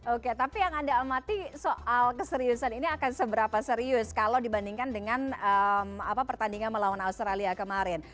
oke tapi yang anda amati soal keseriusan ini akan seberapa serius kalau dibandingkan dengan pertandingan melawan australia kemarin